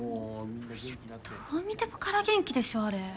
いやどう見てもから元気でしょあれ。